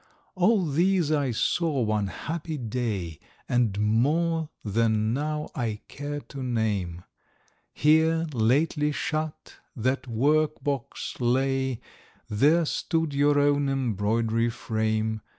All these I saw one happy day, And more than now I care to name; Here, lately shut, that workbox lay, There stood your own embroidery frame.